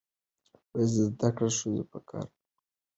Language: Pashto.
زده کړه ښځه په کار او کاروبار کې خپلواکه ده.